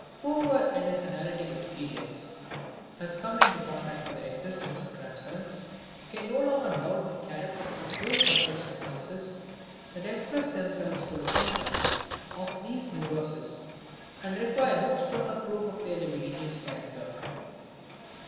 Whoever in his analytic experience has come into contact with the existence of transference can no longer doubt the character of those suppressed impulses that express themselves in the symptoms of these neuroses and requires no stronger proof of their libidinous character.